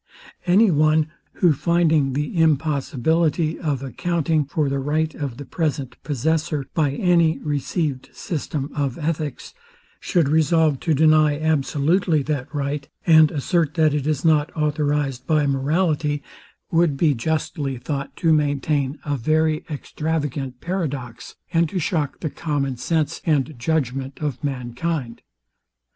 Any one, who finding the impossibility of accounting for the right of the present possessor, by any received system of ethics, should resolve to deny absolutely that right, and assert, that it is not authorized by morality, would be justly thought to maintain a very extravagant paradox, and to shock the common sense and judgment of mankind.